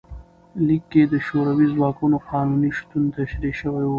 لیک کې د شوروي ځواکونو قانوني شتون تشریح شوی و.